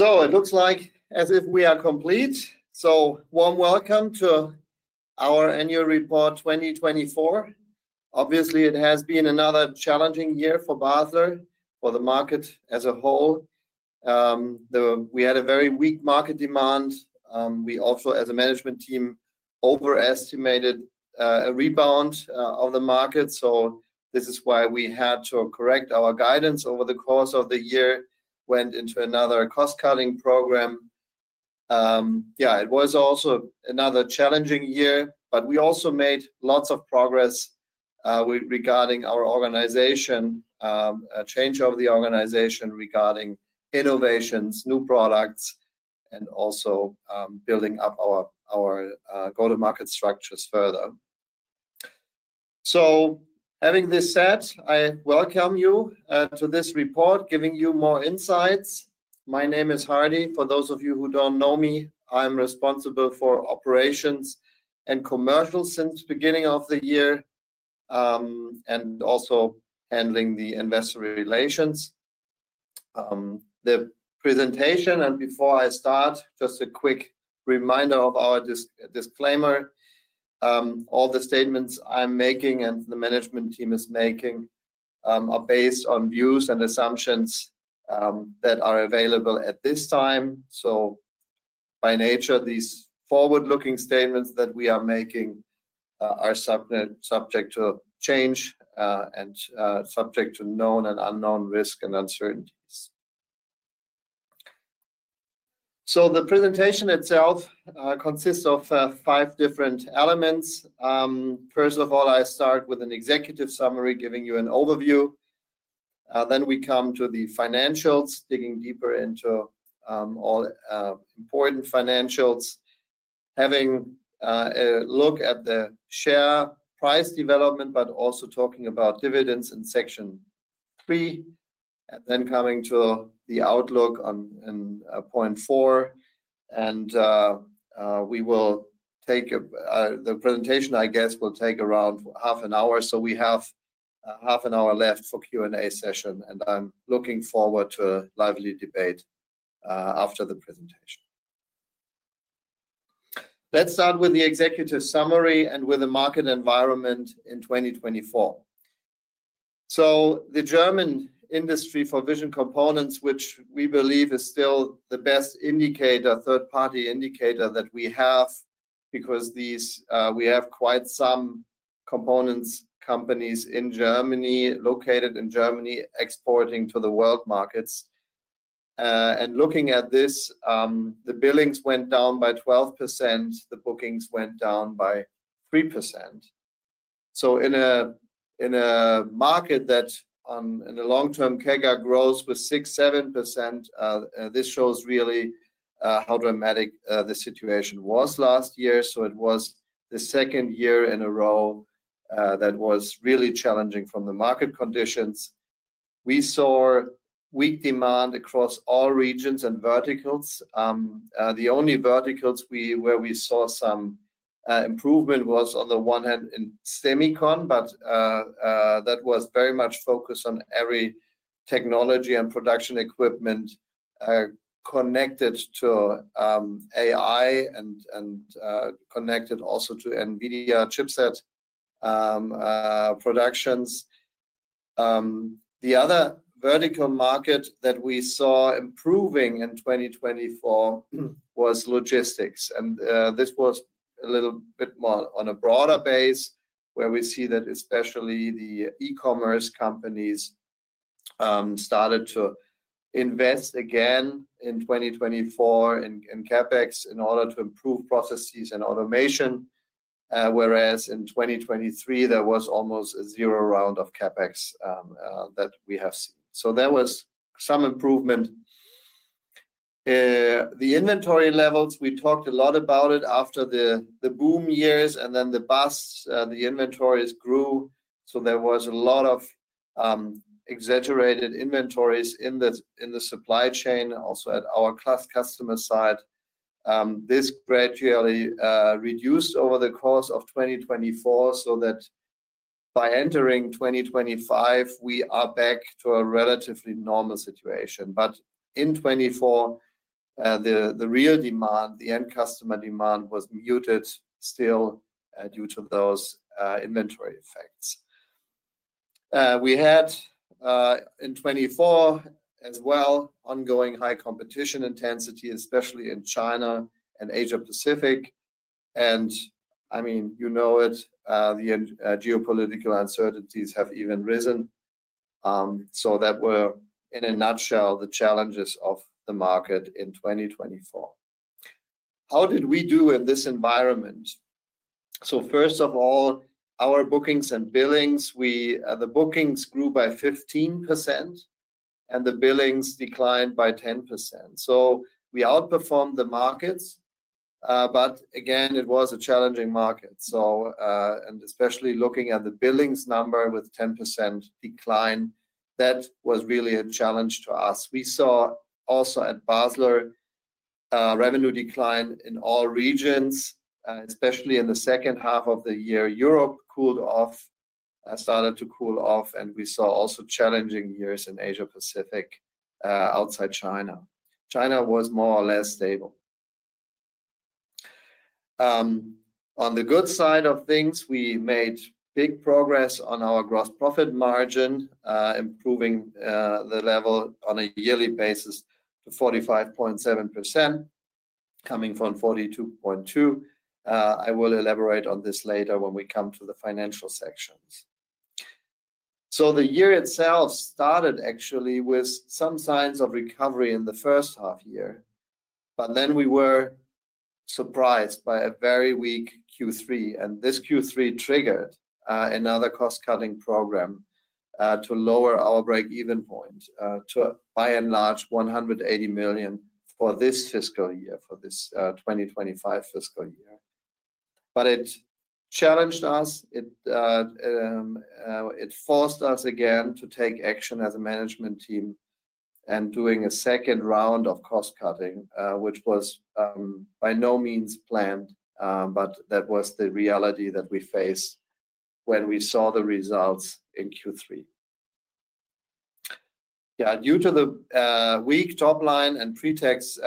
It looks like as if we are complete. A warm welcome to our annual report 2024. Obviously, it has been another challenging year for Basler, for the market as a whole. We had a very weak market demand. We also, as a management team, overestimated a rebound of the market. This is why we had to correct our guidance over the course of the year, went into another cost-cutting program. Yeah, it was also another challenging year, but we also made lots of progress regarding our organization, a change of the organization regarding innovations, new products, and also building up our go-to-market structures further. Having this said, I welcome you to this report, giving you more insights. My name is Hardy. For those of you who don't know me, I'm responsible for operations and commercials since the beginning of the year, and also handling the investor relations. The presentation, and before I start, just a quick reminder of our disclaimer. All the statements I'm making and the management team is making, are based on views and assumptions, that are available at this time. By nature, these forward-looking statements that we are making, are subject to change, and subject to known and unknown risk and uncertainties. The presentation itself consists of five different elements. First of all, I start with an executive summary, giving you an overview. Then we come to the financials, digging deeper into all important financials, having a look at the share price development, but also talking about dividends in section three, and then coming to the outlook on, in, point four. We will take the presentation, I guess, it will take around half an hour. We have half an hour left for Q&A session, and I'm looking forward to a lively debate after the presentation. Let's start with the executive summary and with the market environment in 2024. The German industry for vision components, which we believe is still the best indicator, third-party indicator that we have, because we have quite some components companies in Germany, located in Germany, exporting to the world markets. Looking at this, the billings went down by 12%, the bookings went down by 3%. In a market that, in a long-term, CAGR grows with 6-7%, this shows really how dramatic the situation was last year. It was the second year in a row that was really challenging from the market conditions. We saw weak demand across all regions and verticals. The only verticals we, where we saw some improvement was on the one hand in semicon, but that was very much focused on EUV technology and production equipment, connected to AI and connected also to NVIDIA chipset productions. The other vertical market that we saw improving in 2024 was logistics. This was a little bit more on a broader base, where we see that especially the e-commerce companies started to invest again in 2024 in CapEx in order to improve processes and automation. Whereas in 2023, there was almost a zero round of CapEx that we have seen. There was some improvement. The inventory levels, we talked a lot about it after the boom years and then the bust, the inventories grew. There was a lot of exaggerated inventories in the supply chain, also at our customer side. This gradually reduced over the course of 2024 so that by entering 2025, we are back to a relatively normal situation. In 2024, the real demand, the end customer demand was muted still, due to those inventory effects. We had in 2024 as well, ongoing high competition intensity, especially in China and Asia-Pacific. I mean, you know it, the geopolitical uncertainties have even risen. That were, in a nutshell, the challenges of the market in 2024. How did we do in this environment? First of all, our bookings and billings, the bookings grew by 15% and the billings declined by 10%. We outperformed the markets. Again, it was a challenging market. Especially looking at the billings number with 10% decline, that was really a challenge to us. We saw also at Basler, revenue decline in all regions, especially in the second half of the year. Europe cooled off, started to cool off, and we saw also challenging years in Asia-Pacific, outside China. China was more or less stable. On the good side of things, we made big progress on our gross profit margin, improving the level on a yearly basis to 45.7%, coming from 42.2%. I will elaborate on this later when we come to the financial sections. The year itself started actually with some signs of recovery in the first half year, but then we were surprised by a very weak Q3. This Q3 triggered another cost-cutting program to lower our break-even point to by and large 180 million for this fiscal year, for this 2025 fiscal year. It challenged us. It forced us again to take action as a management team and doing a second round of cost-cutting, which was by no means planned, but that was the reality that we faced when we saw the results in Q3. Yeah, due to the weak top line and pre-tax,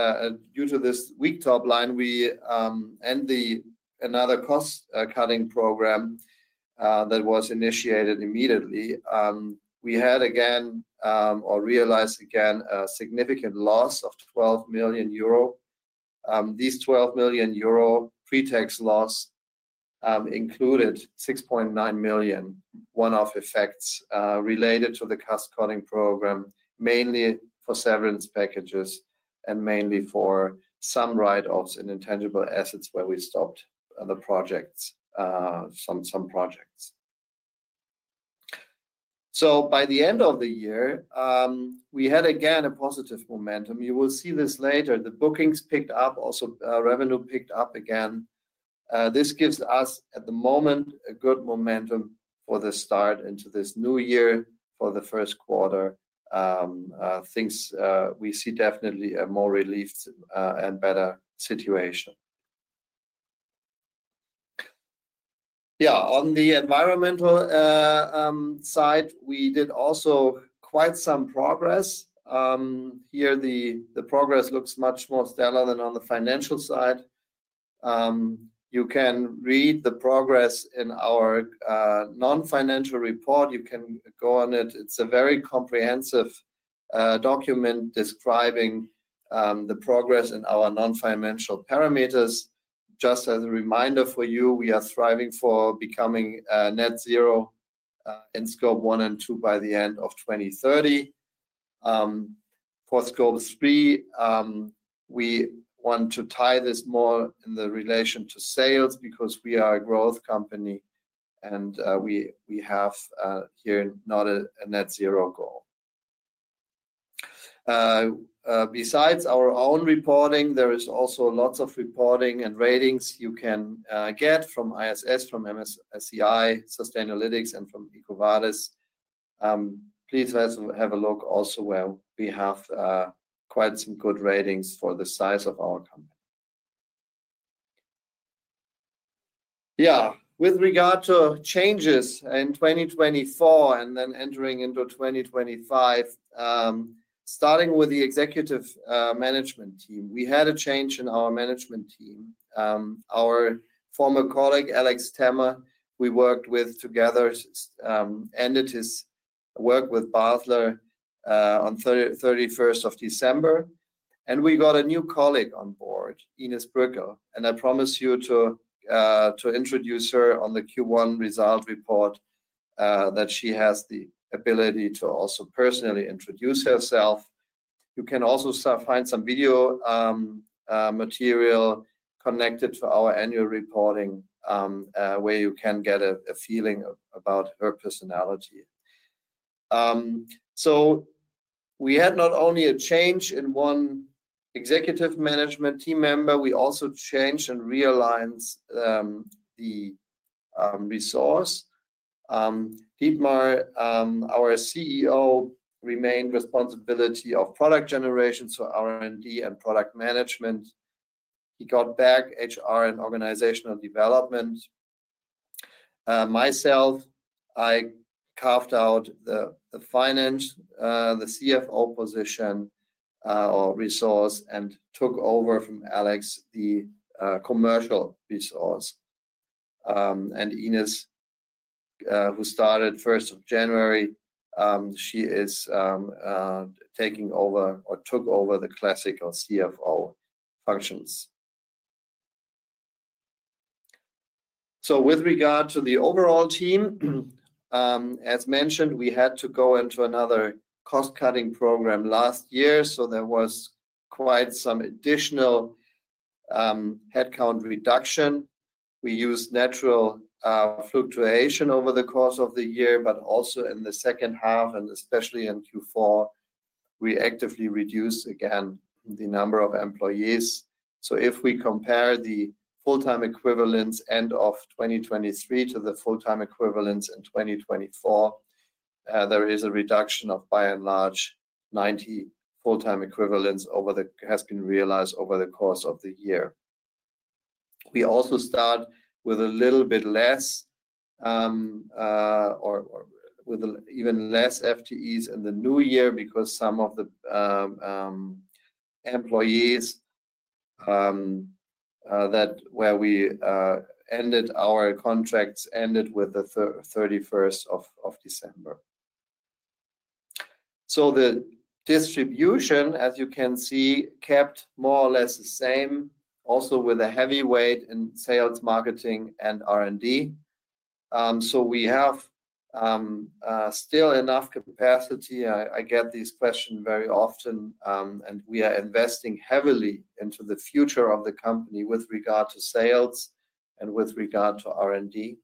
due to this weak top line, we and another cost-cutting program that was initiated immediately, we had again, or realized again, a significant loss of 12 million euro. These 12 million euro pre-tax loss included 6.9 million one-off effects related to the cost-cutting program, mainly for severance packages and mainly for some write-offs in intangible assets where we stopped other projects, some projects. By the end of the year, we had again a positive momentum. You will see this later. The bookings picked up, also, revenue picked up again. This gives us at the moment a good momentum for the start into this new year for the first quarter. Things, we see definitely a more relief, and better situation. Yeah, on the environmental side, we did also quite some progress. Here the progress looks much more stellar than on the financial side. You can read the progress in our non-financial report. You can go on it. It's a very comprehensive document describing the progress in our non-financial parameters. Just as a reminder for you, we are striving for becoming net zero in Scope 1 and 2 by the end of 2030. For Scope 3, we want to tie this more in the relation to sales because we are a growth company and we have here not a net zero goal. Besides our own reporting, there is also lots of reporting and ratings you can get from ISS, from MSCI, Sustainalytics, and from EcoVadis. Please have a look also where we have quite some good ratings for the size of our company. Yeah, with regard to changes in 2024 and then entering into 2025, starting with the executive management team, we had a change in our management team. Our former colleague, Alex Temme, we worked with together, ended his work with Basler on the 31st of December, and we got a new colleague on board, Ines Breuker, and I promise you to introduce her on the Q1 result report, that she has the ability to also personally introduce herself. You can also find some video material connected to our annual reporting, where you can get a feeling about her personality. We had not only a change in one executive management team member, we also changed and realigned the resource. Dietmar, our CEO, remained responsibility of product generation, so R&D and product management. He got back HR and organizational development. Myself, I carved out the finance, the CFO position or resource and took over from Alex the commercial resource. Ines, who started 1st of January, she is taking over or took over the classical CFO functions. With regard to the overall team, as mentioned, we had to go into another cost-cutting program last year, so there was quite some additional headcount reduction. We used natural fluctuation over the course of the year, but also in the second half and especially in Q4, we actively reduced again the number of employees. If we compare the full-time equivalents end of 2023 to the full-time equivalents in 2024, there is a reduction of by and large 90 full-time equivalents that has been realized over the course of the year. We also start with a little bit less, or with even less FTEs in the new year because some of the employees, where we ended our contracts, ended with the 31st of December. The distribution, as you can see, kept more or less the same, also with a heavy weight in sales, marketing, and R&D. We have still enough capacity. I get these questions very often, and we are investing heavily into the future of the company with regard to sales and with regard to R&D.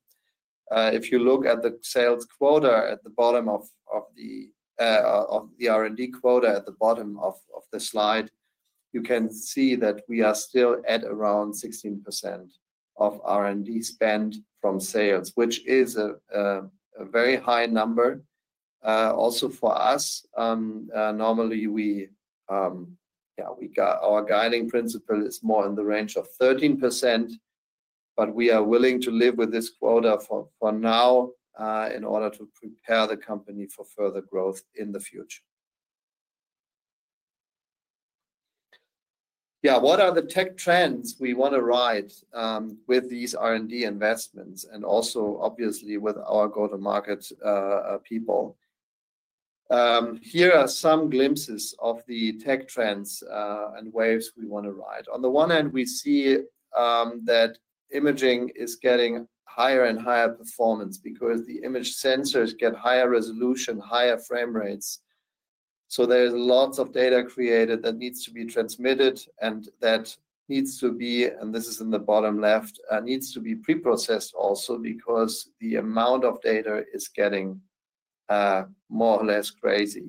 If you look at the sales quota at the bottom of the R&D quota at the bottom of the slide, you can see that we are still at around 16% of R&D spend from sales, which is a very high number, also for us. Normally we, yeah, we got, our guiding principle is more in the range of 13%, but we are willing to live with this quota for now, in order to prepare the company for further growth in the future. Yeah, what are the tech trends we want to ride, with these R&D investments and also obviously with our go-to-market people? Here are some glimpses of the tech trends and waves we want to ride. On the one hand, we see that imaging is getting higher and higher performance because the image sensors get higher resolution, higher frame rates. There is lots of data created that needs to be transmitted and that needs to be, and this is in the bottom left, needs to be pre-processed also because the amount of data is getting, more or less crazy.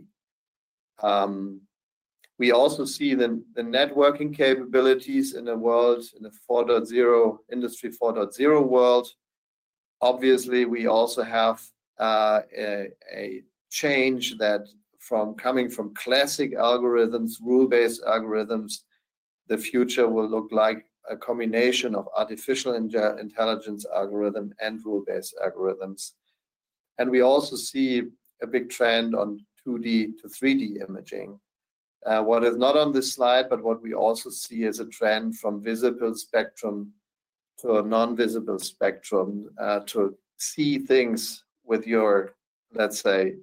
We also see the networking capabilities in the world, in the 4.0 industry, 4.0 world. Obviously, we also have a change that from coming from classic algorithms, rule-based algorithms, the future will look like a combination of artificial intelligence algorithm and rule-based algorithms. We also see a big trend on 2D to 3D imaging. What is not on this slide, but what we also see is a trend from visible spectrum to a non-visible spectrum, to see things with your, let's say,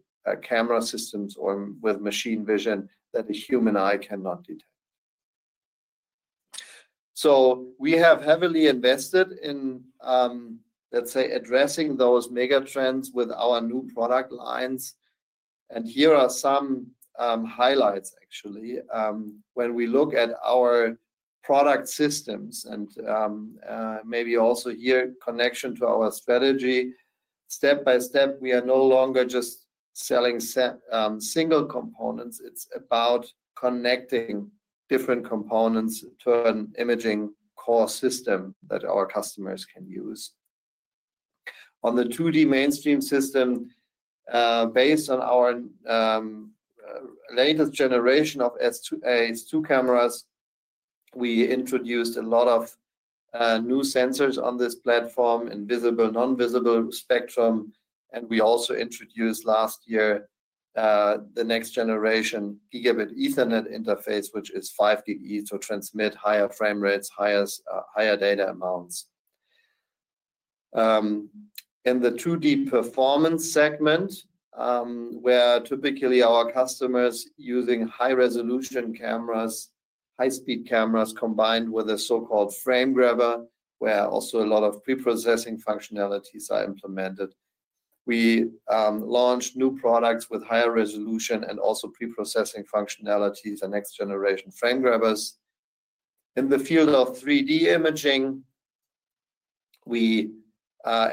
camera systems or with machine vision that a human eye cannot detect. We have heavily invested in, let's say, addressing those mega trends with our new product lines. Here are some highlights actually, when we look at our product systems and, maybe also here connection to our strategy. Step by step, we are no longer just selling single components. It is about connecting different components to an imaging core system that our customers can use. On the 2D mainstream system, based on our latest generation of ace 2 cameras, we introduced a lot of new sensors on this platform in visible, non-visible spectrum. We also introduced last year the next generation Gigabit Ethernet interface, which is 5GigE, to transmit higher frame rates, higher data amounts. In the 2D performance segment, where typically our customers are using high resolution cameras, high-speed cameras combined with a so-called frame grabber, a lot of pre-processing functionalities are also implemented. We launched new products with higher resolution and also pre-processing functionalities and next generation frame grabbers. In the field of 3D imaging, we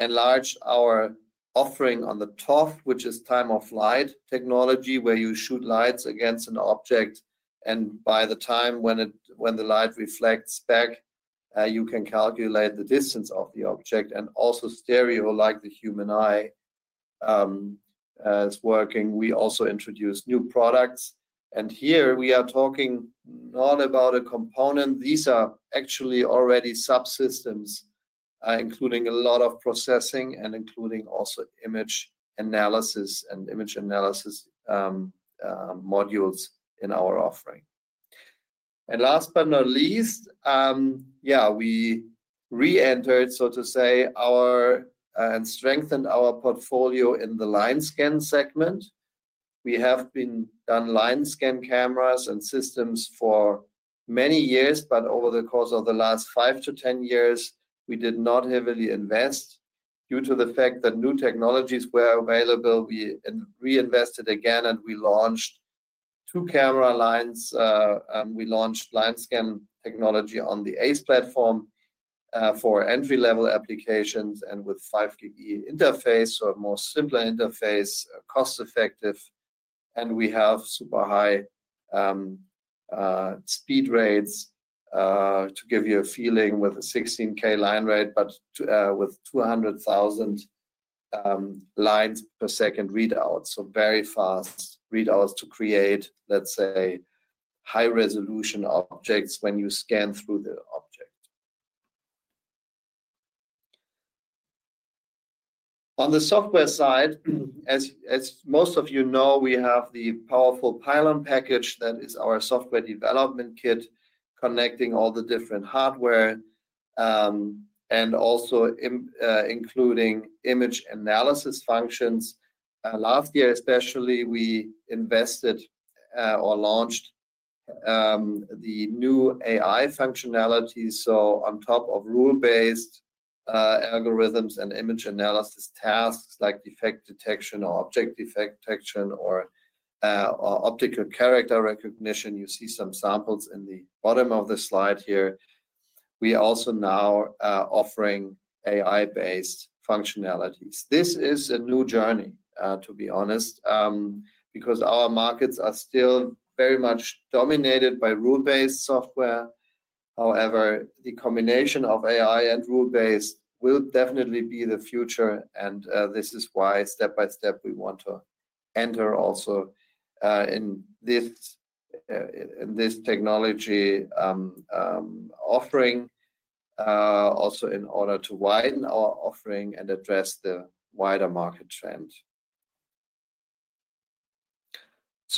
enlarged our offering on the ToF, which is time-of-flight technology, where you shoot light against an object and by the time when the light reflects back, you can calculate the distance of the object, and also stereo like the human eye is working. We also introduced new products. Here we are talking not about a component. These are actually already subsystems, including a lot of processing and including also image analysis and image analysis modules in our offering. Last but not least, yeah, we re-entered, so to say, our, and strengthened our portfolio in the line scan segment. We have been doing line scan cameras and systems for many years, but over the course of the last five to 10 years, we did not heavily invest due to the fact that new technologies were available. We reinvested again and we launched two camera lines. We launched line scan technology on the Ace platform, for entry-level applications and with 5GigE interface, so a more simple interface, cost-effective. We have super high speed rates, to give you a feeling with a 16K line rate, with 200,000 lines per second readouts. Very fast readouts to create, let's say, high-resolution objects when you scan through the object. On the software side, as most of you know, we have the powerful pylon package that is our software development kit connecting all the different hardware, and also including image analysis functions. Last year especially, we invested, or launched, the new AI functionality. On top of rule-based algorithms and image analysis tasks like defect detection or object defect detection or optical character recognition, you see some samples in the bottom of the slide here. We also now are offering AI-based functionalities. This is a new journey, to be honest, because our markets are still very much dominated by rule-based software. However, the combination of AI and rule-based will definitely be the future. This is why step by step we want to enter also, in this, in this technology offering, also in order to widen our offering and address the wider market trend.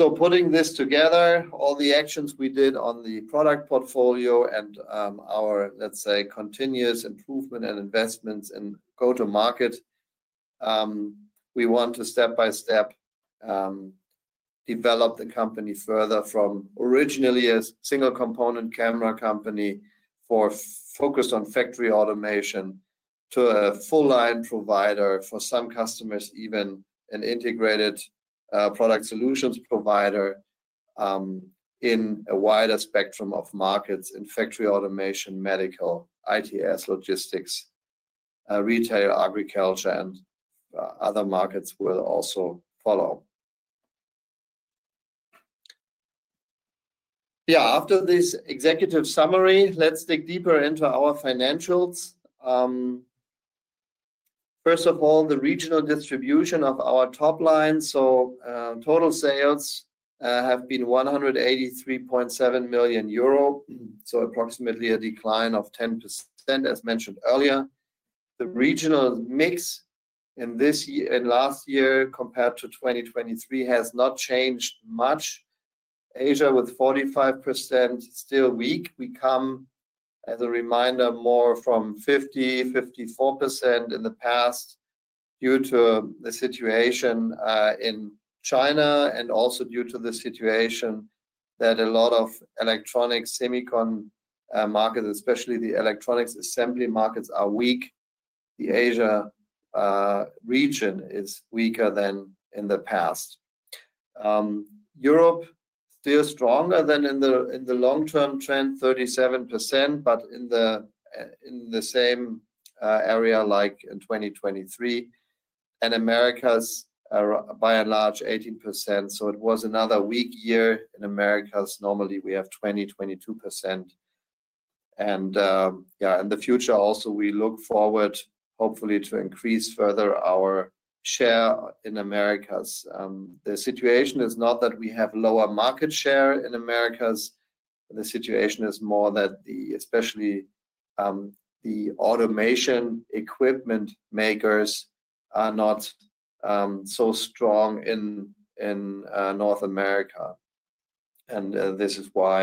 Putting this together, all the actions we did on the product portfolio and our, let's say, continuous improvement and investments in go-to-market, we want to step by step develop the company further from originally a single component camera company focused on factory automation to a full line provider for some customers, even an integrated product solutions provider, in a wider spectrum of markets in factory automation, medical, ITS, logistics, retail, agriculture, and other markets will also follow. Yeah, after this executive summary, let's dig deeper into our financials. First of all, the regional distribution of our top line. Total sales have been 183.7 million euro, so approximately a decline of 10%, as mentioned earlier. The regional mix in this year and last year compared to 2023 has not changed much. Asia with 45%, still weak. We come, as a reminder, more from 50%-54% in the past due to the situation in China and also due to the situation that a lot of electronics semiconductor markets, especially the electronics assembly markets, are weak. The Asia region is weaker than in the past. Europe still stronger than in the long-term trend, 37%, but in the same area like in 2023. Americas, by and large 18%. It was another weak year in America's. Normally we have 20-22%. In the future also we look forward hopefully to increase further our share in Americas. The situation is not that we have lower market share in Americas. The situation is more that, especially, the automation equipment makers are not so strong in North America. This is why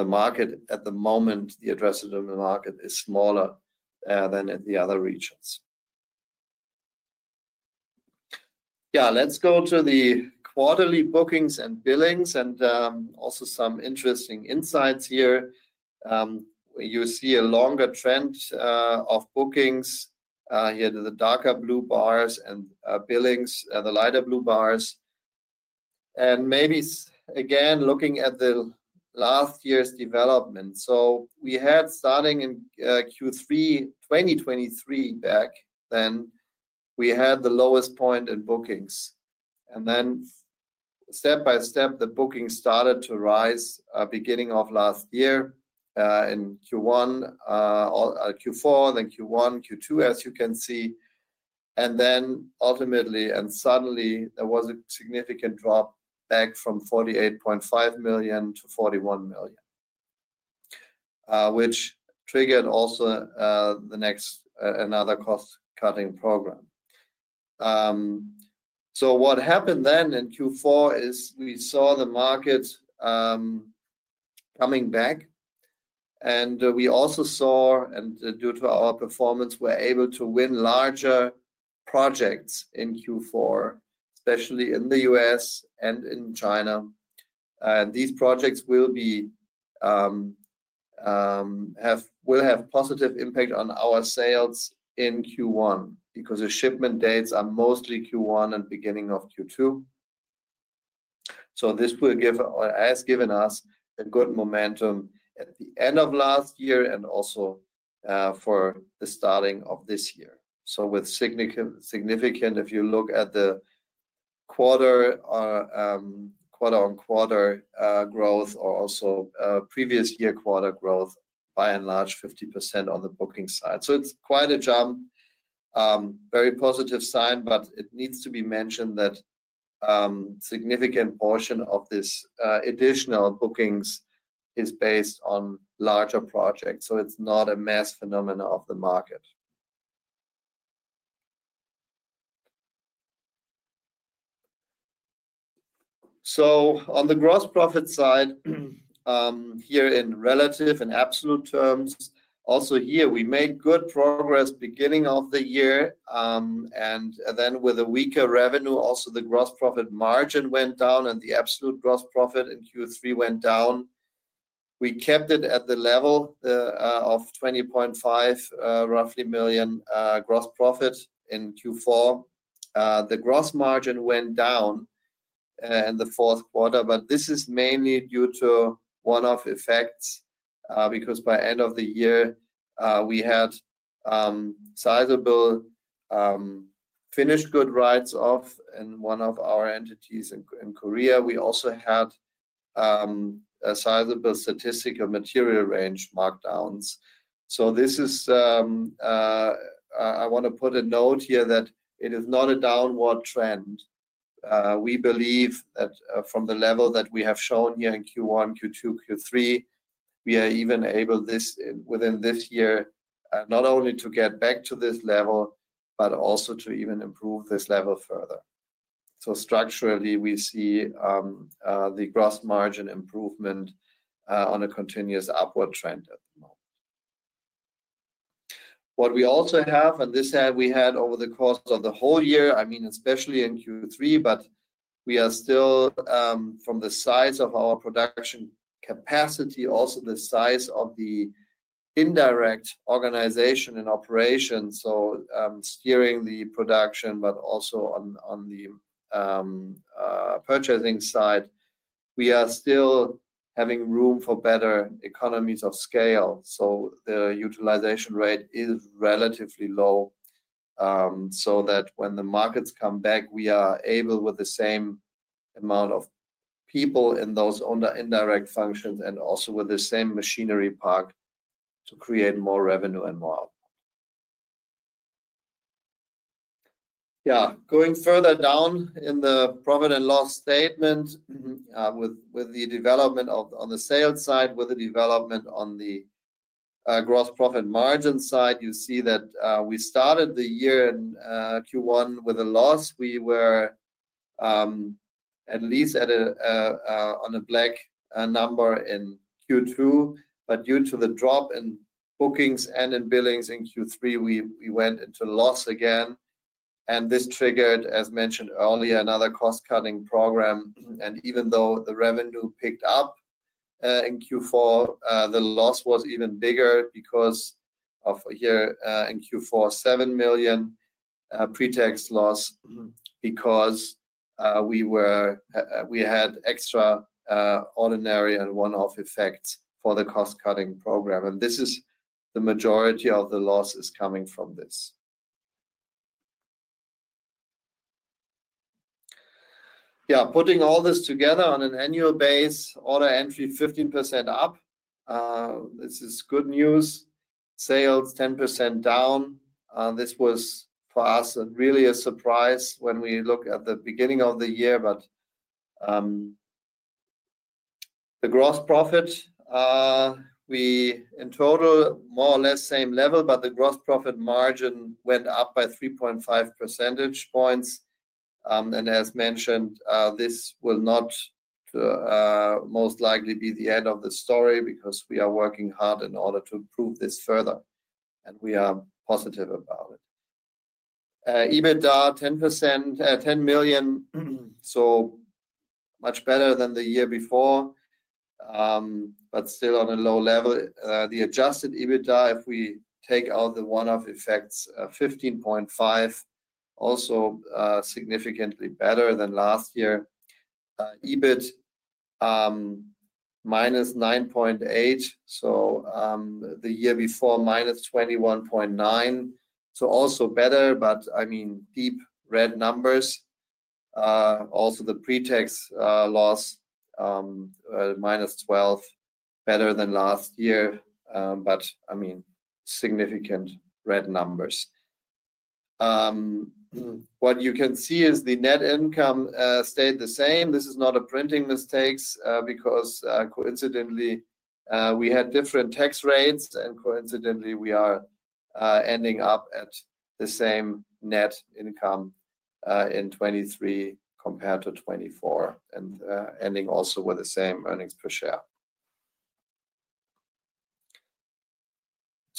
the market at the moment, the addressable market is smaller than in the other regions. Yeah, let's go to the quarterly bookings and billings and also some interesting insights here. You see a longer trend of bookings, here to the darker blue bars, and billings in the lighter blue bars. Maybe again, looking at the last year's development. We had, starting in Q3 2023, back then we had the lowest point in bookings. Then step by step the bookings started to rise, beginning of last year, in Q1, or Q4, then Q1, Q2, as you can see. Ultimately and suddenly there was a significant drop back from 48.5 million to 41 million, which triggered also the next, another cost-cutting program. What happened then in Q4 is we saw the market coming back and we also saw, and due to our performance, we were able to win larger projects in Q4, especially in the U.S. and in China. These projects will have positive impact on our sales in Q1 because the shipment dates are mostly Q1 and beginning of Q2. This will give, or has given us, good momentum at the end of last year and also for the starting of this year. With significant, significant, if you look at the quarter, quarter on quarter, growth or also previous year quarter growth, by and large 50% on the booking side. It is quite a jump, very positive sign, but it needs to be mentioned that a significant portion of this additional bookings is based on larger projects. It is not a mass phenomenon of the market. On the gross profit side, here in relative and absolute terms, also here we made good progress beginning of the year, and then with a weaker revenue, also the gross profit margin went down and the absolute gross profit in Q3 went down. We kept it at the level of 20.5 million, roughly, gross profit in Q4. The gross margin went down in the fourth quarter, but this is mainly due to one-off effects, because by end of the year, we had sizable finished goods write-offs in one of our entities in Korea. We also had a sizable statistical material range markdowns. This is, I want to put a note here that it is not a downward trend. We believe that, from the level that we have shown here in Q1, Q2, Q3, we are even able this in within this year, not only to get back to this level, but also to even improve this level further. Structurally we see, the gross margin improvement, on a continuous upward trend at the moment. What we also have, and this had we had over the course of the whole year, I mean, especially in Q3, we are still, from the size of our production capacity, also the size of the indirect organization and operation. Steering the production, but also on the purchasing side, we are still having room for better economies of scale. The utilization rate is relatively low, so that when the markets come back, we are able with the same amount of people in those indirect functions and also with the same machinery park to create more revenue and more. Going further down in the profit and loss statement, with the development on the sales side, with the development on the gross profit margin side, you see that we started the year in Q1 with a loss. We were at least at a black number in Q2, but due to the drop in bookings and in billings in Q3, we went into loss again. This triggered, as mentioned earlier, another cost-cutting program. Even though the revenue picked up in Q4, the loss was even bigger because in Q4, 7 million pre-tax loss, because we had extraordinary and one-off effects for the cost-cutting program. The majority of the loss is coming from this. Putting all this together on an annual base, order entry 15% up, this is good news. Sales 10% down. This was for us really a surprise when we look at the beginning of the year, but the gross profit, we in total more or less same level, but the gross profit margin went up by 3.5 percentage points. As mentioned, this will not most likely be the end of the story because we are working hard in order to improve this further and we are positive about it. EBITDA 10%, 10 million. Much better than the year before, but still on a low level. The adjusted EBITDA, if we take out the one-off effects, 15.5 million, also significantly better than last year. EBIT, -9.8 million. The year before -21.9 million. Also better, but I mean deep red numbers. Also the pre-tax loss, -12 million, better than last year. I mean significant red numbers. What you can see is the net income stayed the same. This is not a printing mistake, because, coincidentally, we had different tax rates and coincidentally we are ending up at the same net income in 2023 compared to 2024 and ending also with the same earnings per share.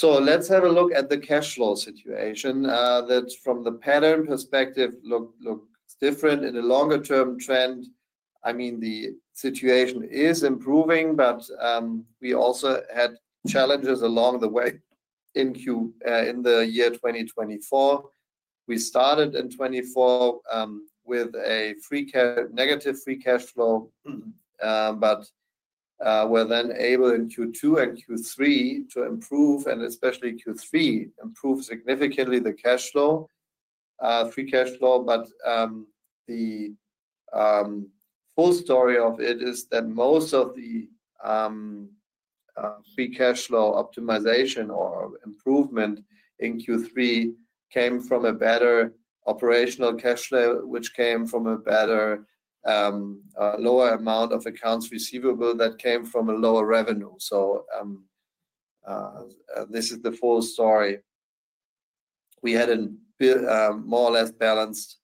Let's have a look at the cash flow situation, that from the pattern perspective looks different in the longer-term trend. I mean, the situation is improving, but we also had challenges along the way in Q, in the year 2024. We started in 2024 with a free cash, negative free cash flow, but were then able in Q2 and Q3 to improve and especially Q3 improved significantly the cash flow, free cash flow. The full story of it is that most of the free cash flow optimization or improvement in Q3 came from a better operational cash flow, which came from a better, lower amount of accounts receivable that came from a lower revenue. This is the full story. We had a bit, more or less balanced,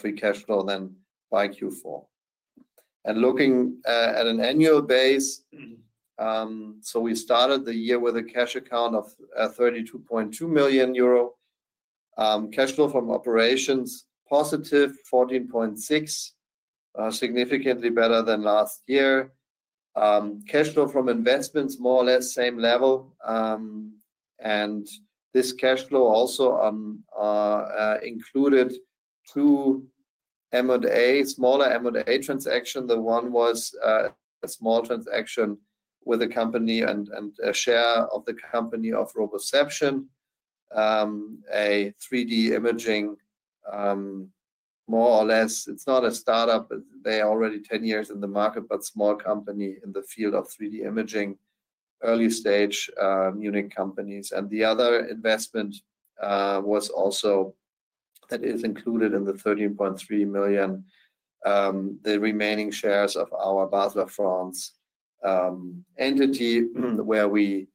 free cash flow than by Q4. Looking at an annual base, we started the year with a cash account of 32.2 million euro, cash flow from operations +14.6 million, significantly better than last year. Cash flow from investments more or less same level. This cash flow also included two M&A, smaller M&A transaction. The one was a small transaction with a company and a share of the company of Roboception, a 3D imaging, more or less. It's not a startup. They are already 10 years in the market, but small company in the field of 3D imaging, early stage, Munich companies. The other investment was also that is included in the 13.3 million, the remaining shares of our Basler France entity where we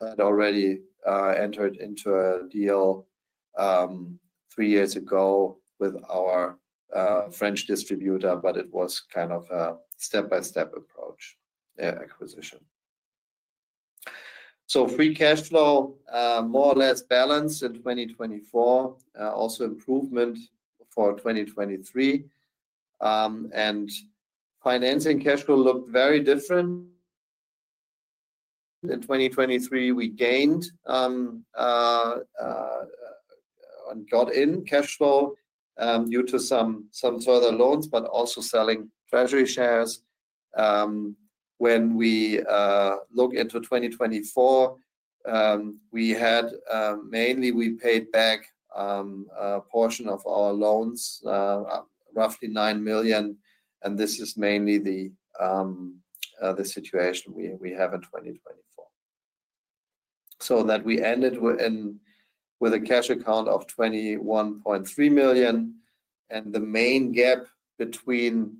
had already entered into a deal three years ago with our French distributor, but it was kind of a step-by-step approach, acquisition. Free cash flow more or less balanced in 2024, also improvement for 2023. Financing cash flow looked very different. In 2023, we gained, got in cash flow, due to some further loans, but also selling treasury shares. When we look into 2024, we had, mainly we paid back a portion of our loans, roughly 9 million. This is mainly the situation we have in 2024. We ended with a cash account of 21.3 million. The main gap between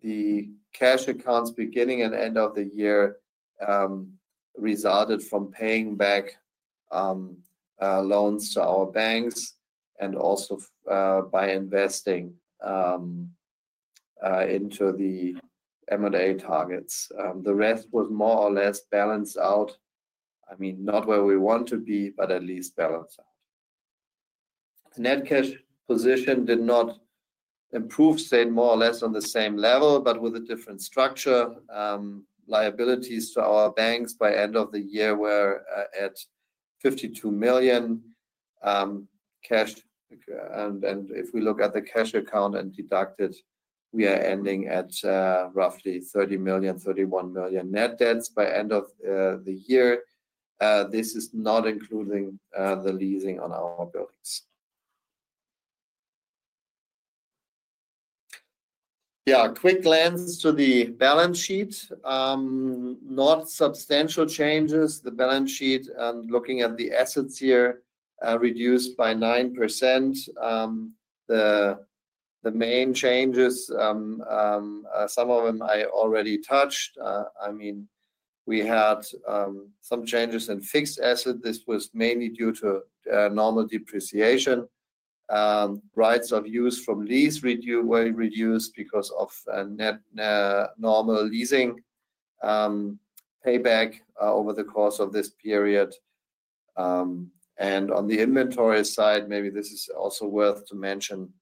the cash accounts beginning and end of the year resulted from paying back loans to our banks and also by investing into the M&A targets. The rest was more or less balanced out. I mean, not where we want to be, but at least balanced out. Net cash position did not improve, stayed more or less on the same level, but with a different structure. Liabilities to our banks by end of the year were at 52 million cash. If we look at the cash account and deduct it, we are ending at roughly 30 million-31 million net debts by end of the year. This is not including the leasing on our buildings. A quick glance to the balance sheet, not substantial changes. The balance sheet and looking at the assets here, reduced by 9%. The main changes, some of them I already touched. I mean, we had some changes in fixed asset. This was mainly due to normal depreciation. Rights of use from lease reduced because of normal leasing payback over the course of this period. On the inventory side, maybe this is also worth to mention,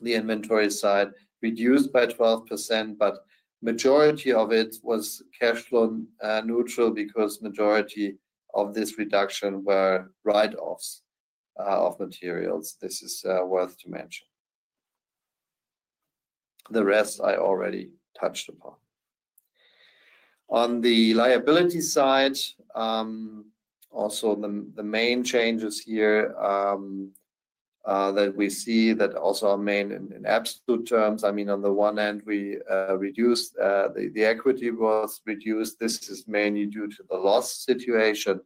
the inventory side reduced by 12%, but majority of it was cash flow neutral because majority of this reduction were write-offs of materials. This is worth to mention. The rest I already touched upon. On the liability side, also the main changes here, that we see that also are main in absolute terms. I mean, on the one end, we reduced, the equity was reduced. This is mainly due to the loss situation.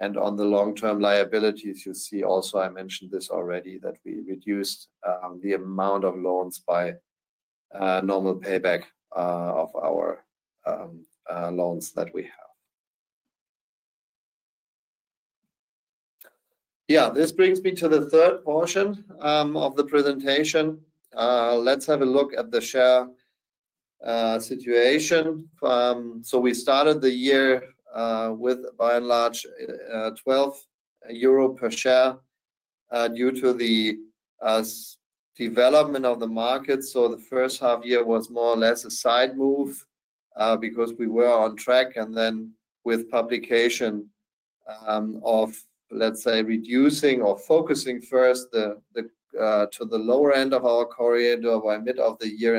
And on the long-term liabilities, you see also, I mentioned this already, that we reduced the amount of loans by normal payback of our loans that we have. Yeah, this brings me to the third portion of the presentation. Let's have a look at the share situation. We started the year with by and large, 12 euro per share, due to the development of the market. The first half year was more or less a side move, because we were on track. With publication of, let's say, reducing or focusing first to the lower end of our corridor by mid of the year.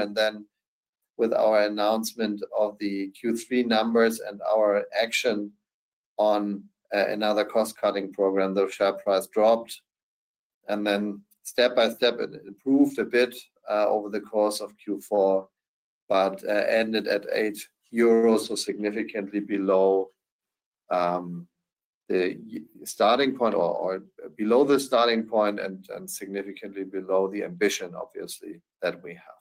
With our announcement of the Q3 numbers and our action on another cost-cutting program, the share price dropped. Step by step it improved a bit over the course of Q4, but ended at 8 euros, so significantly below the starting point or below the starting point and significantly below the ambition, obviously, that we have.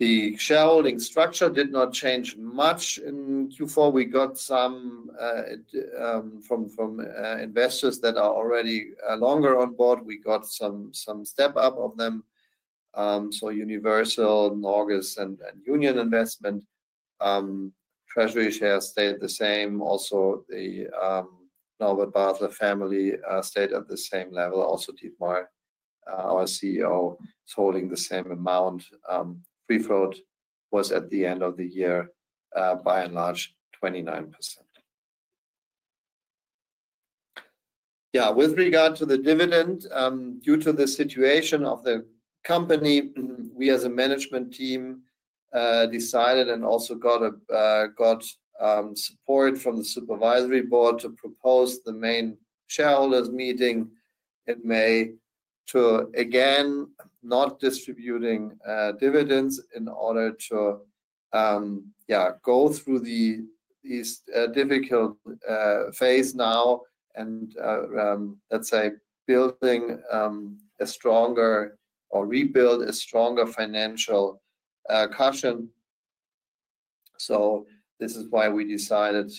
The shareholding structure did not change much in Q4. We got some from investors that are already longer on board. We got some step-up of them, so Universal, Norges, and Union Investment. Treasury shares stayed the same. Also, the Norbert Basler family stayed at the same level. Also, Dietmar, our CEO, is holding the same amount. Freefloat was at the end of the year, by and large 29%. Yeah, with regard to the dividend, due to the situation of the company, we as a management team decided and also got support from the supervisory board to propose the main shareholders meeting in May to again not distributing dividends in order to, yeah, go through the, these difficult phase now and, let's say building, a stronger or rebuild a stronger financial cushion. This is why we decided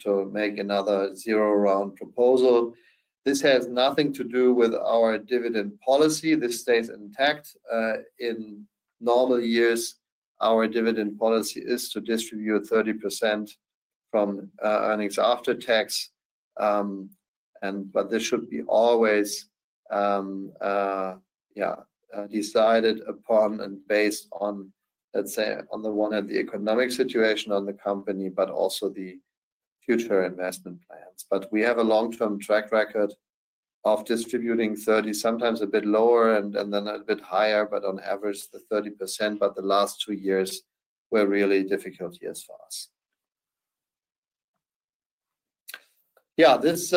to make another zero round proposal. This has nothing to do with our dividend policy. This stays intact. In normal years, our dividend policy is to distribute 30% from earnings after tax. And, but this should be always, yeah, decided upon and based on, let's say, on the one at the economic situation on the company, but also the future investment plans. We have a long-term track record of distributing 30%, sometimes a bit lower and then a bit higher, but on average the 30%. The last two years were really difficult years for us. This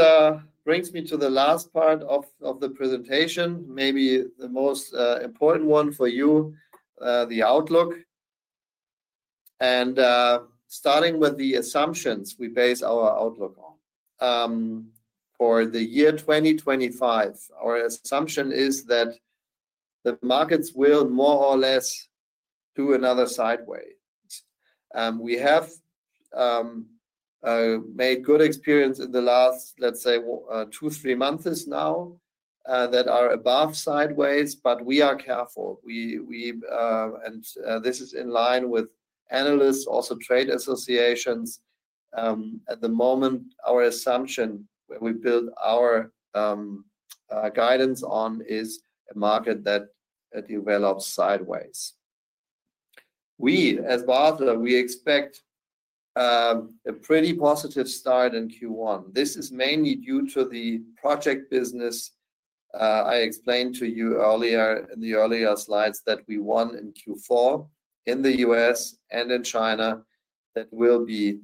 brings me to the last part of the presentation, maybe the most important one for you, the outlook. Starting with the assumptions we base our outlook on for the year 2025, our assumption is that the markets will more or less do another sideways. We have made good experience in the last, let's say, two, three months now, that are above sideways, but we are careful. This is in line with analysts, also trade associations. At the moment, our assumption where we build our guidance on is a market that develops sideways. We, as Basler, expect a pretty positive start in Q1. This is mainly due to the project business. I explained to you earlier in the earlier slides that we won in Q4 in the U.S. and in China that will be,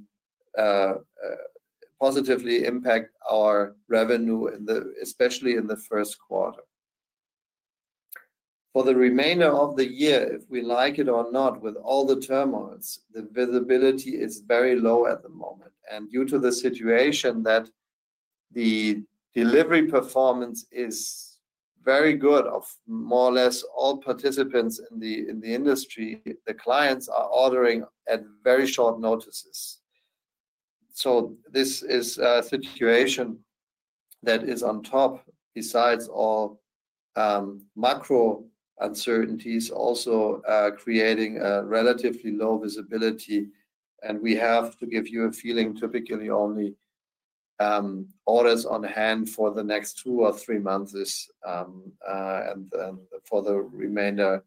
positively impact our revenue in the, especially in the first quarter. For the remainder of the year, if we like it or not, with all the turmoils, the visibility is very low at the moment. Due to the situation that the delivery performance is very good of more or less all participants in the, in the industry, the clients are ordering at very short notices. This is a situation that is on top besides all, macro uncertainties, also, creating a relatively low visibility. We have to give you a feeling, typically only, orders on hand for the next two or three months, and, and for the remainder,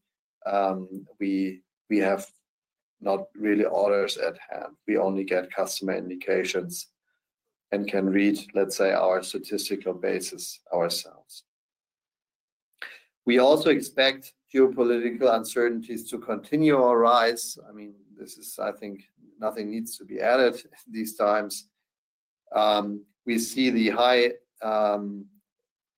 we, we have not really orders at hand. We only get customer indications and can read, let's say, our statistical basis ourselves. We also expect geopolitical uncertainties to continue or rise. I mean, this is, I think nothing needs to be added these times. We see the high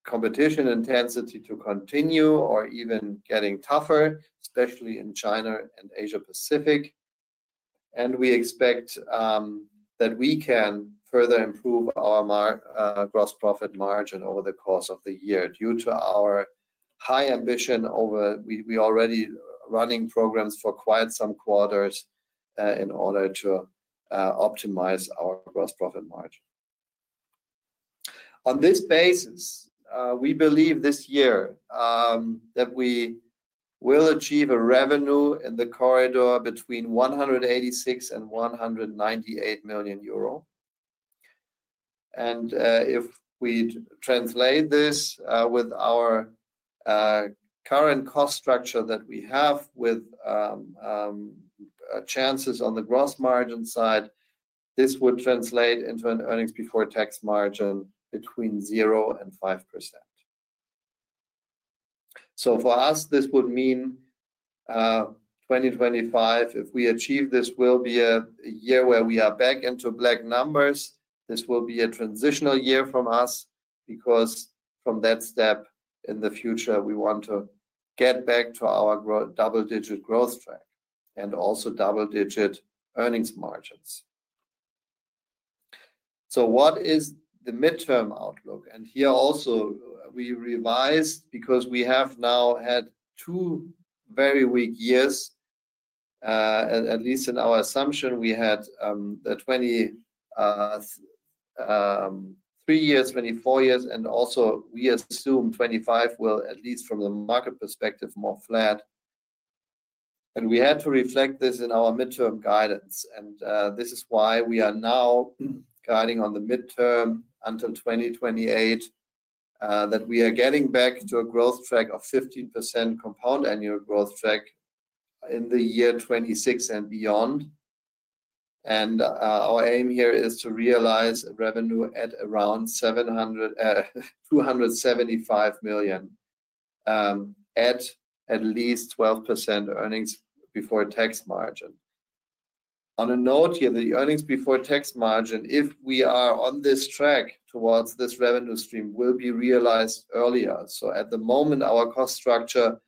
competition intensity to continue or even getting tougher, especially in China and Asia-Pacific. We expect that we can further improve our gross profit margin over the course of the year due to our high ambition over, we already running programs for quite some quarters, in order to optimize our gross profit margin. On this basis, we believe this year that we will achieve a revenue in the corridor between 186 million and 198 million euro. If we translate this, with our current cost structure that we have with chances on the gross margin side, this would translate into an earnings before tax margin between 0% and 5%. For us, this would mean 2025, if we achieve this, will be a year where we are back into black numbers. This will be a transitional year from us because from that step in the future, we want to get back to our grow double-digit growth track and also double-digit earnings margins. What is the midterm outlook? Here also we revised because we have now had two very weak years, at least in our assumption. We had the 2023 years, 2024 years, and also we assume 2025 will at least from the market perspective, more flat. We had to reflect this in our midterm guidance. This is why we are now guiding on the midterm until 2028, that we are getting back to a growth track of 15% compound annual growth track in the year 2026 and beyond. Our aim here is to realize revenue at around 700 million, 275 million, at least 12% earnings before tax margin. On a note here, the earnings before tax margin, if we are on this track towards this revenue stream, will be realized earlier. At the moment, our cost structure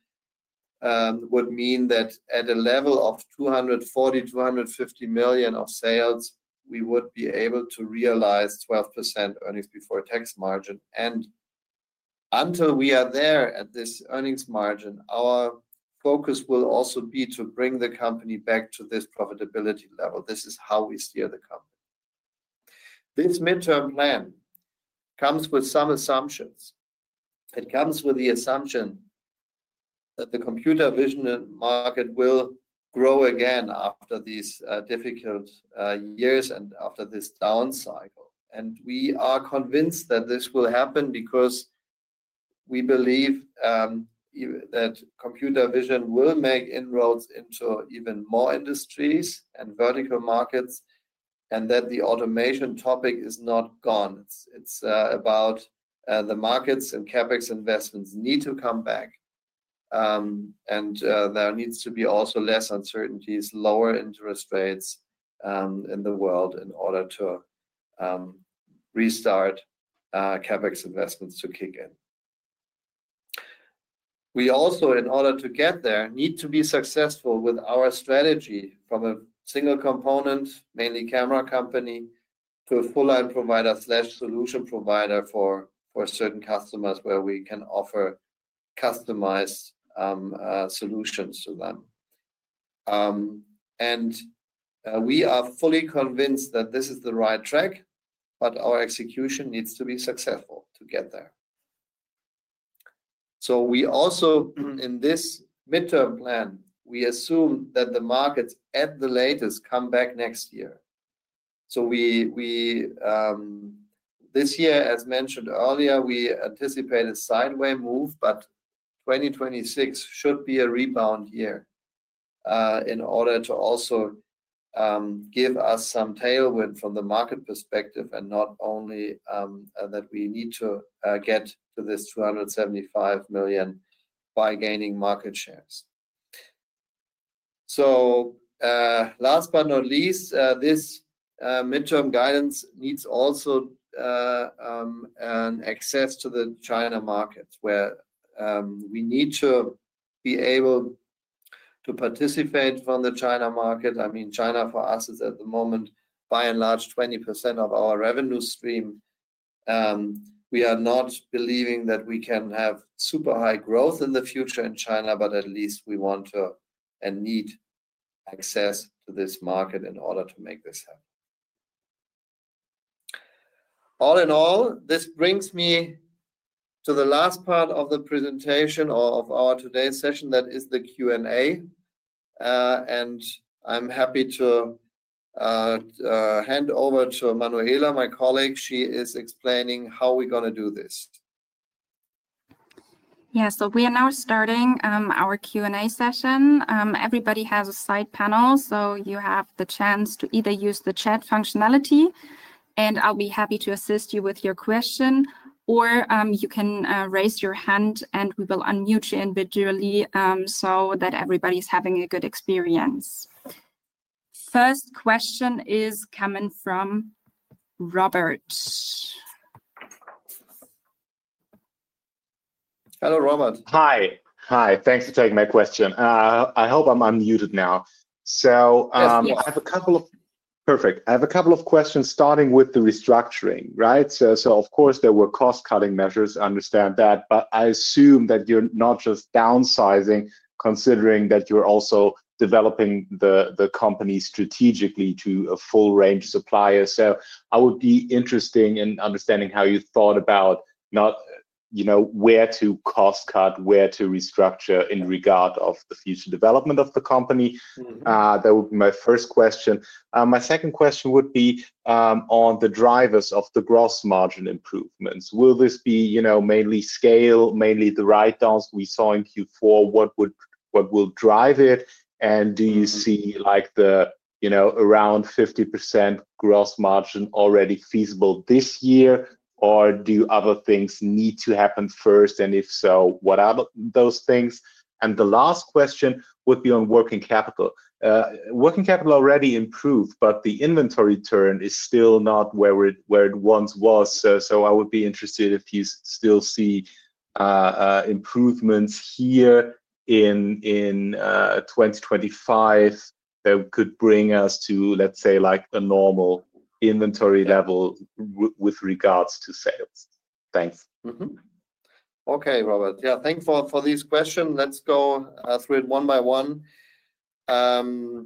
would mean that at a level of 240 million-250 million of sales, we would be able to realize 12% earnings before tax margin. Until we are there at this earnings margin, our focus will also be to bring the company back to this profitability level. This is how we steer the company. This midterm plan comes with some assumptions. It comes with the assumption that the computer vision market will grow again after these difficult years and after this down-cycle. We are convinced that this will happen because we believe that computer vision will make inroads into even more industries and vertical markets and that the automation topic is not gone. It's about the markets and CapEx investments need to come back. There needs to be also less uncertainties, lower interest rates, in the world in order to restart CapEx investments to kick in. We also, in order to get there, need to be successful with our strategy from a single-component, mainly camera company, to a full line provider/solution provider for certain customers where we can offer customized solutions to them. We are fully convinced that this is the right track, but our execution needs to be successful to get there. We also, in this midterm plan, assume that the markets at the latest come back next year. This year, as mentioned earlier, we anticipate a sideway move, but 2026 should be a rebound year, in order to also give us some tailwind from the market perspective and not only that we need to get to this 275 million by gaining market shares. Last but not least, this midterm guidance needs also an access to the China markets where we need to be able to participate from the China market. I mean, China for us is at the moment, by and large, 20% of our revenue stream. We are not believing that we can have super high growth in the future in China, but at least we want to and need access to this market in order to make this happen. All in all, this brings me to the last part of the presentation or of our today's session. That is the Q&A. I'm happy to hand over to Manuela, my colleague. She is explaining how we're gonna do this. Yeah, we are now starting our Q&A session. Everybody has a side panel, so you have the chance to either use the chat functionality and I'll be happy to assist you with your question, or you can raise your hand and we will unmute you individually, so that everybody's having a good experience. First question is coming from Robert. Hello, Robert. Hi. Hi. Thanks for taking my question. I hope I'm unmuted now. I have a couple of questions starting with the restructuring, right? Of course there were cost-cutting measures, I understand that, but I assume that you're not just downsizing considering that you're also developing the company strategically to a full-range supplier. I would be interested in understanding how you thought about not, you know, where to cost cut, where to restructure in regard of the future development of the company. That would be my first question. My second question would be on the drivers of the gross margin improvements. Will this be, you know, mainly scale, mainly the write-downs we saw in Q4? What will drive it? And do you see like the, you know, around 50% gross margin already feasible this year or do other things need to happen first? If so, what are those things? The last question would be on working capital. Working capital already improved, but the inventory turn is still not where it once was. I would be interested if you still see improvements here in 2025 that could bring us to, let's say, like a normal inventory level with regards to sales. Thanks. Mm-hmm. Okay, Robert. Thank you for these questions. Let's go through it one by one. The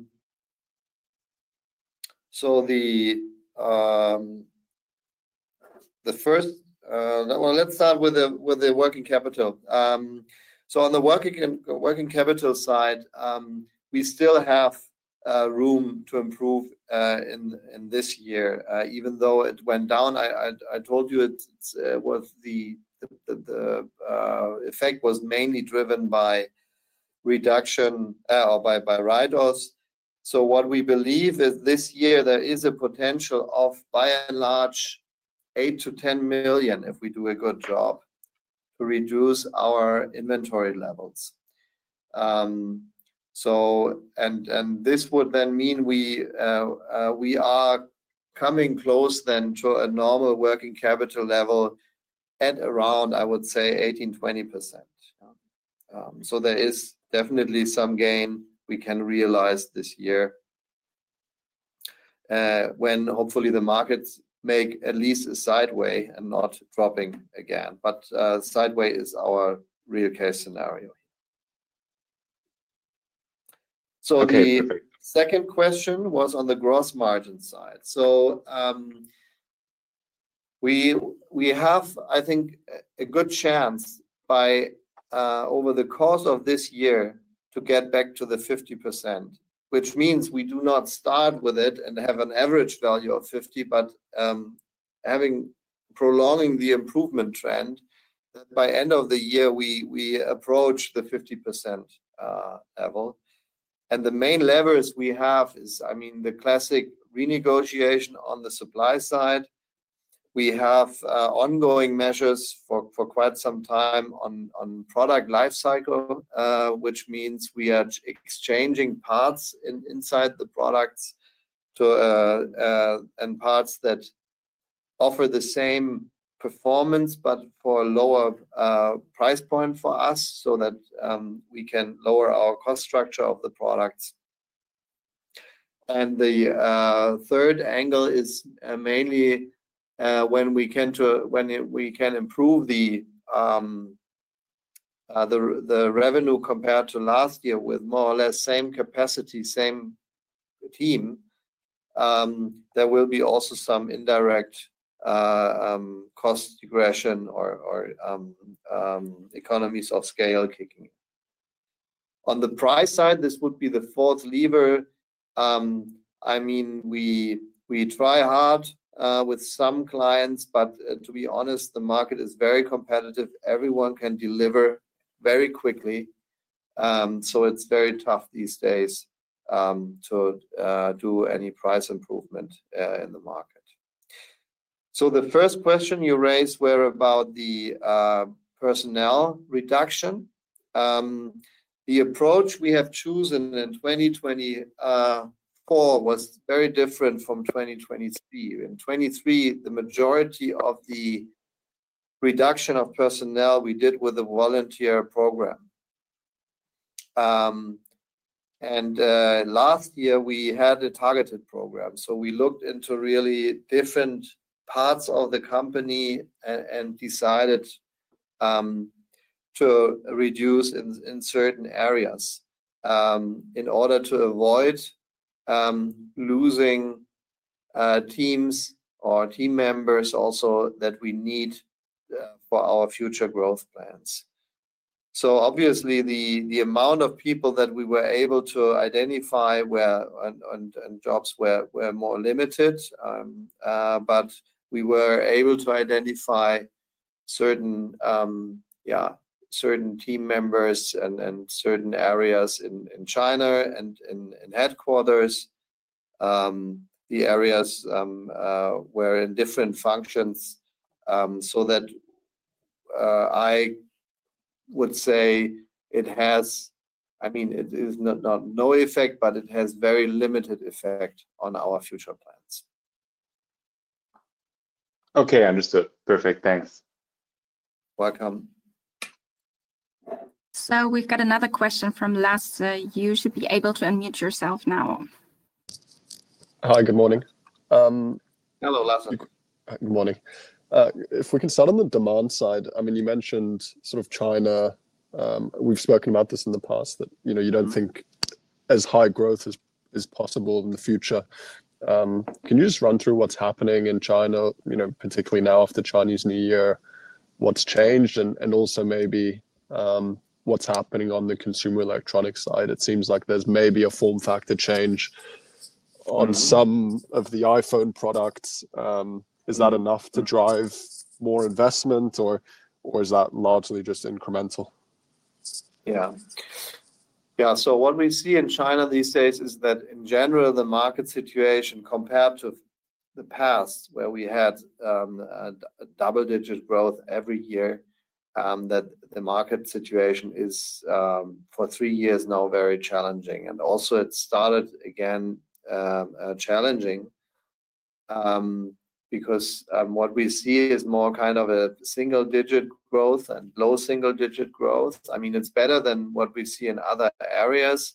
first, let's start with the working capital. On the working capital side, we still have room to improve in this year, even though it went down. I told you the effect was mainly driven by reduction, or by write-offs. What we believe is this year there is a potential of by and large 8 million-10 million, if we do a good job to reduce our inventory levels. This would then mean we are coming close then to a normal working capital level at around, I would say, 18%-20%. There is definitely some gain we can realize this year, when hopefully the markets make at least a sideway and not dropping again, but sideway is our real case scenario here. The second question was on the gross margin side. We have, I think, a good chance by, over the course of this year to get back to the 50%, which means we do not start with it and have an average value of 50, but, having prolonging the improvement trend that by end of the year, we approach the 50% level. The main levers we have is, I mean, the classic renegotiation on the supply side. We have ongoing measures for quite some time on product life cycle, which means we are exchanging parts inside the products to, and parts that offer the same performance, but for a lower price point for us so that we can lower our cost structure of the products. The third angle is mainly when we can improve the revenue compared to last year with more or less same capacity, same team, there will be also some indirect cost regression or economies of scale kicking in. On the price side, this would be the fourth lever. I mean, we try hard with some clients, but to be honest, the market is very competitive. Everyone can deliver very quickly, so it's very tough these days to do any price improvement in the market. The first question you raised was about the personnel reduction. The approach we have chosen in 2024 was very different from 2023. In 2023, the majority of the reduction of personnel we did with the volunteer program, and last year we had a targeted program. We looked into really different parts of the company and decided to reduce in certain areas in order to avoid losing teams or team members also that we need for our future growth plans. Obviously, the amount of people that we were able to identify and jobs were more limited, but we were able to identify certain team members and certain areas in China and in headquarters. The areas were in different functions, so that, I would say, it has, I mean, it is not no effect, but it has very limited effect on our future plans. Okay. Understood. Perfect. Thanks. Welcome. We've got another question from Lasse. You should be able to unmute yourself now. Hi, good morning. Hello, Lassa. Good morning. If we can start on the demand side, I mean, you mentioned sort of China. We've spoken about this in the past that, you know, you do not think as high growth as possible in the future. Can you just run through what's happening in China, you know, particularly now after Chinese New Year, what's changed and also maybe, what's happening on the consumer electronics side? It seems like there's maybe a form factor change on some of the iPhone products. Is that enough to drive more investment or is that largely just incremental? Yeah. Yeah. What we see in China these days is that in general, the market situation compared to the past where we had double-digit growth every year, that the market situation is, for three years now, very challenging. It started again, challenging, because what we see is more kind of a single-digit growth and low single-digit growth. I mean, it's better than what we see in other areas.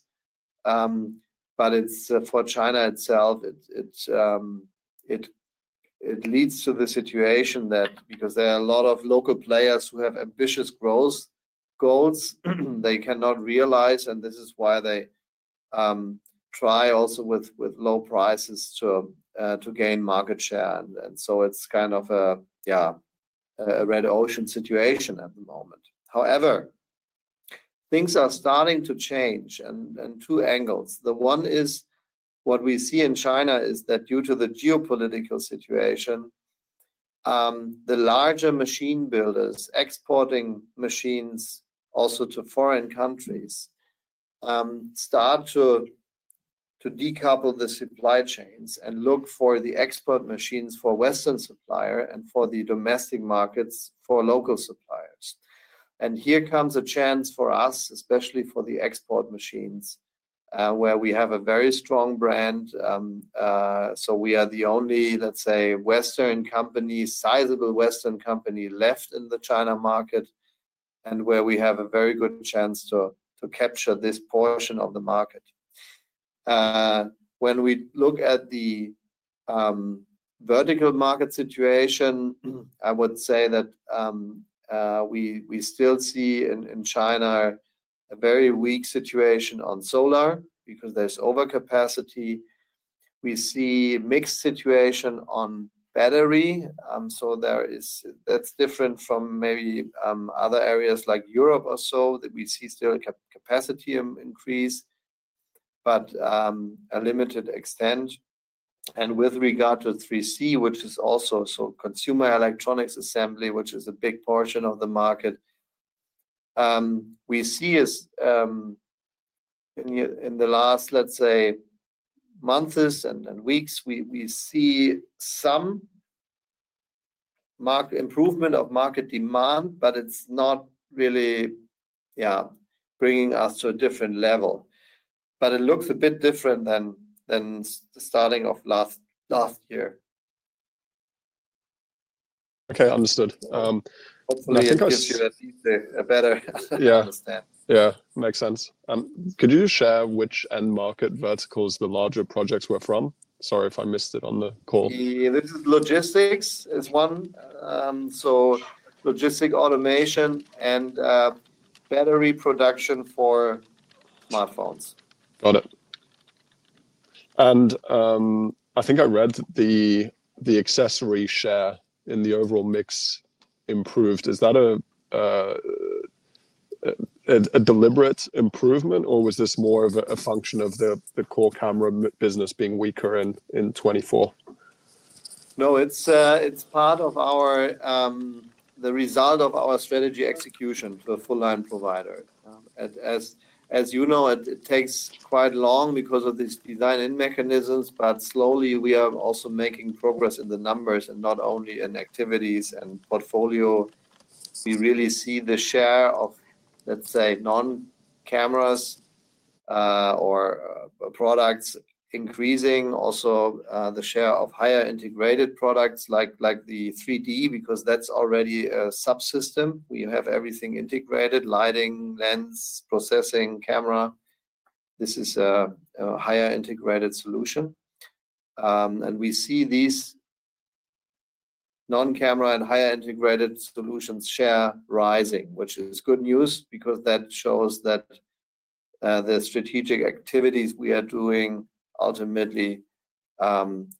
For China itself, it leads to the situation that because there are a lot of local players who have ambitious growth goals they cannot realize. This is why they try also with low prices to gain market share. It's kind of a red ocean situation at the moment. However, things are starting to change and two angles. The one is what we see in China is that due to the geopolitical situation, the larger machine builders exporting machines also to foreign countries start to decouple the supply chains and look for the export machines for Western supplier and for the domestic markets for local suppliers. Here comes a chance for us, especially for the export machines, where we have a very strong brand. We are the only, let's say, Western company, sizable Western company left in the China market and where we have a very good chance to capture this portion of the market. When we look at the vertical market situation, I would say that we still see in China a very weak situation on solar because there is overcapacity. We see mixed situation on battery. There is, that's different from maybe other areas like Europe or so that we see still a capacity increase, but a limited extent. And with regard to 3C, which is also consumer electronics assembly, which is a big portion of the market, we see is, in the last, let's say, months and weeks, we see some market improvement of market demand, but it's not really, yeah, bringing us to a different level, but it looks a bit different than the starting of last year. Okay. Understood. Hopefully it gives you at least a better understand. Yeah. Makes sense. Could you share which end market verticals the larger projects were from? Sorry if I missed it on the call. This is logistics is one. So logistic automation and battery production for smartphones. Got it. I think I read the accessory share in the overall mix improved. Is that a deliberate improvement or was this more of a function of the core camera business being weaker in 2024? No, it's part of our, the result of our strategy execution for full-line provider. As you know, it takes quite long because of these design and mechanisms, but slowly we are also making progress in the numbers and not only in activities and portfolio. We really see the share of, let's say, non-cameras, or products increasing also, the share of higher integrated products like the 3D, because that's already a subsystem. We have everything integrated, lighting, lens, processing, camera. This is a higher integrated solution. We see these non-camera and higher integrated solutions share rising, which is good news because that shows that the strategic activities we are doing ultimately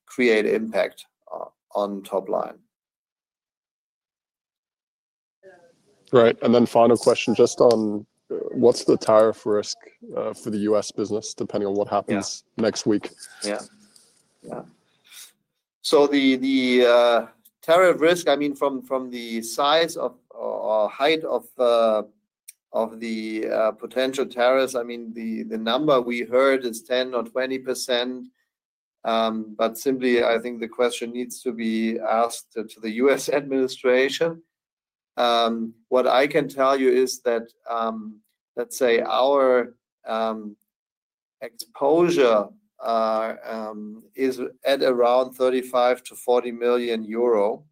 create impact on top line. Right. Final question, just on what's the tariff risk for the U.S. business depending on what happens next week? Yeah. The tariff risk, I mean, from the size of, or height of, the potential tariffs, the number we heard is 10% or 20%. I think the question needs to be asked to the U.S. administration. What I can tell you is that, let's say our exposure is at around 35 million-40 million euro.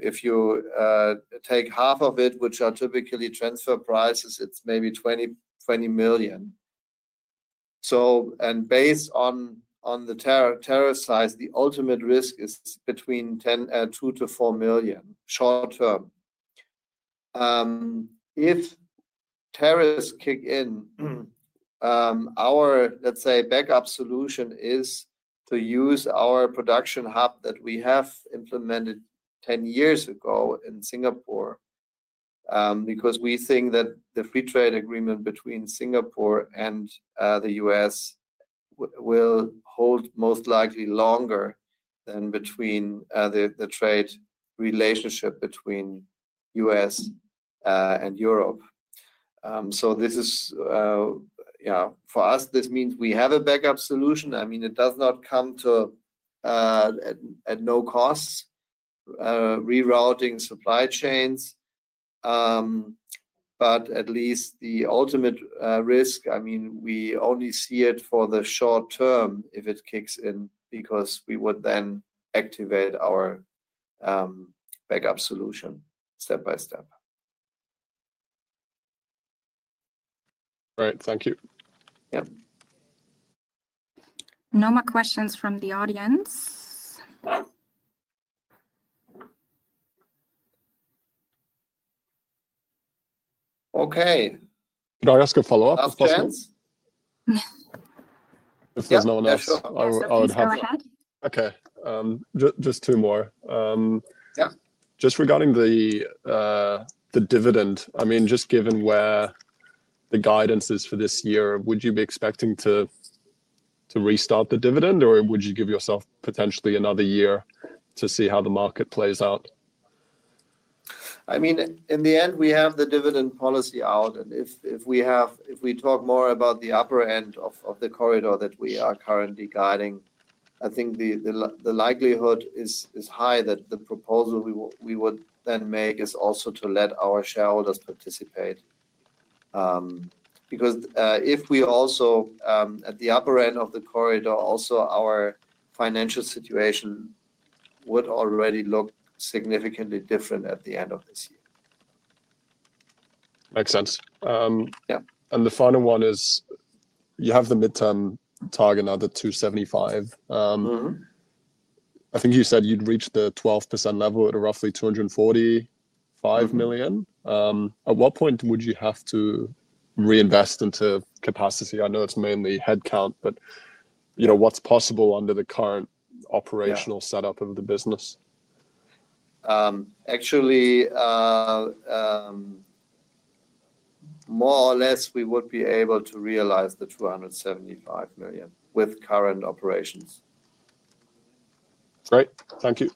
If you take half of it, which are typically transfer prices, it's maybe 20 million. Based on the tariff size, the ultimate risk is between $2 million-$4 million short term. If tariffs kick in, our backup solution is to use our production hub that we have implemented 10 years ago in Singapore, because we think that the free trade agreement between Singapore and the U.S. will hold most likely longer than the trade relationship between the U.S. and Europe. For us, this means we have a backup solution. I mean, it does not come at no cost, rerouting supply chains, but at least the ultimate risk, I mean, we only see it for the short term if it kicks in because we would then activate our backup solution step by step. Right. Thank you. Yep. No more questions from the audience. Okay. Could I ask a follow-up question? If there's no one else, I would have that. Okay. Just two more. Yeah, just regarding the dividend, I mean, just given where the guidance is for this year, would you be expecting to restart the dividend or would you give yourself potentially another year to see how the market plays out? I mean, in the end, we have the dividend policy out and if we have, if we talk more about the upper end of the corridor that we are currently guiding, I think the likelihood is high that the proposal we would then make is also to let our shareholders participate. Because, if we also, at the upper end of the corridor, also our financial situation would already look significantly different at the end of this year. Makes sense. Yeah. The final one is you have the midterm target now, the 275. I think you said you'd reached the 12% level at roughly 245 million. At what point would you have to reinvest into capacity? I know it's mainly headcount, but you know, what's possible under the current operational setup of the business? Actually, more or less we would be able to realize the 275 million with current operations. Great. Thank you.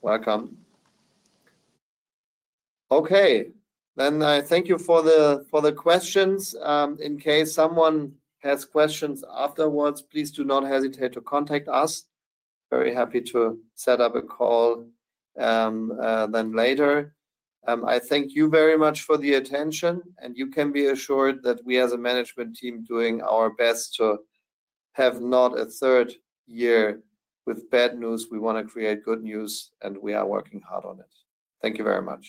Welcome. Okay. I thank you for the questions. In case someone has questions afterwards, please do not hesitate to contact us. Very happy to set up a call later. I thank you very much for the attention and you can be assured that we as a management team are doing our best to have not a third year with bad news. We want to create good news and we are working hard on it. Thank you very much.